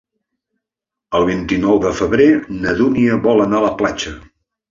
El vint-i-nou de febrer na Dúnia vol anar a la platja.